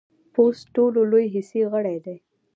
پوست ټولو لوی حسي غړی دی.